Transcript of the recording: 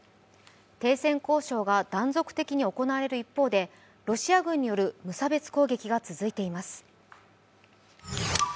停戦交渉が断続的に行われる一方でロシア軍による無差別攻撃が続いています。